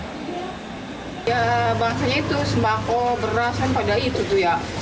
ya bangsa nya itu semako beras sampah ada itu tuh ya